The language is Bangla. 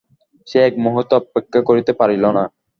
সে এক মুহূর্ত অপেক্ষা করিতে পারিল না।